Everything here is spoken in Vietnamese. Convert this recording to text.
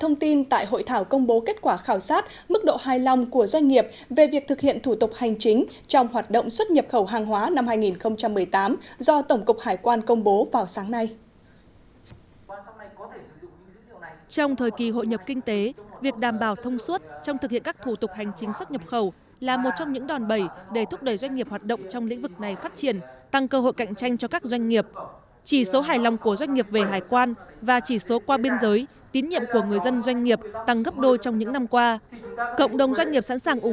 năm hai nghìn một mươi tám mức độ hài lòng của cộng đồng doanh nghiệp đối với ngành hải quan đã được cải thiện